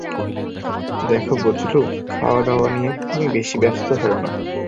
দেখো বজলু, খাওয়াদাওয়া নিয়ে তুমি বেশি ব্যস্ত হয়ো না।